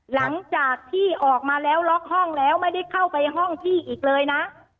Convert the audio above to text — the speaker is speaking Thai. หลังจากที่ออกมาแล้วล็อกห้องแล้วไม่ได้เข้าไปห้องพี่อีกเลยนะ